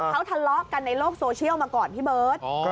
เขาทะเลาะกันในโลกโซเชียลมาก่อนพี่เบิร์ต